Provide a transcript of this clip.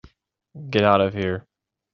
Get out of here.